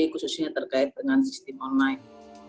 khususnya terkait dengan sistem online